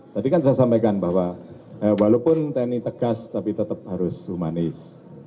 tadi kan saya sampaikan bahwa walaupun tni tegas tapi tetap harus humanis